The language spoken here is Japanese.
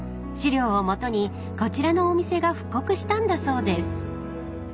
［資料を基にこちらのお店が復刻したんだそうです］